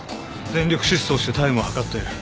全力疾走してタイムを計っている。